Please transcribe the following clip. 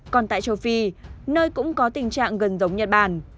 còn tại châu phi nơi cũng có tình trạng gần giống nhật bản